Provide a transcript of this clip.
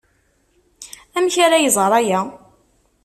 Amek ara iẓer aya?